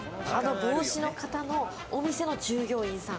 帽子の方のお店の従業員さん。